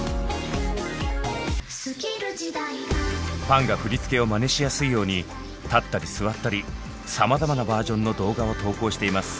ファンが振り付けをまねしやすいように立ったり座ったりさまざまなバージョンの動画を投稿しています。